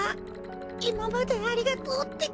いままでありがとうってか。